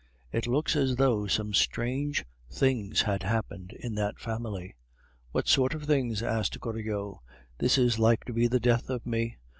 "It looks as though some strange things had happened in that family." "What sort of things?" asked Goriot. "This is like to be the death of me.